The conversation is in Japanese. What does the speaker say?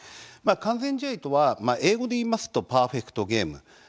完全試合とは英語で言いますとパーフェクトゲーム。